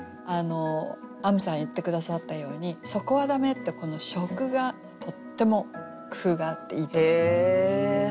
あむさん言って下さったように「そこはだめ」ってこの初句がとっても工夫があっていいと思います。